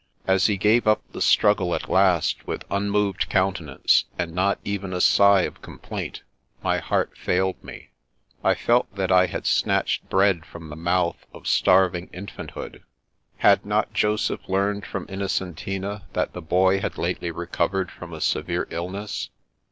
As he gave up the struggle at last, with unmoved countenance, and not even a sigh of complaint, my heart failed me. I felt that I had snatched bread from the mouth of starving infant hood. Had not Joseph learned from Innocentina that the boy had lately recovered from a severe ill ness?